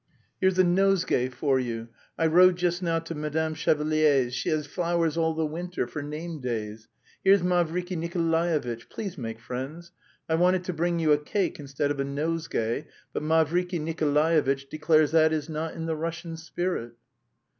"Here's a nosegay for you; I rode just now to Madame Chevalier's, she has flowers all the winter for name days. Here's Mavriky Nikolaevitch, please make friends. I wanted to bring you a cake instead of a nosegay, but Mavriky Nikolaevitch declares that is not in the Russian spirit."